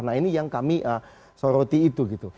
nah ini yang kami soroti itu gitu